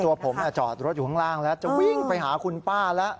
ตัวผมจอดรถอยู่ข้างล่างแล้วจะวิ่งไปหาคุณป้าแล้ว